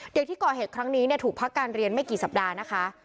เด็กที่ก่อเหตุครั้งนี้ถูกพักการเรียนไม่กี่สัปดาห์นะคะ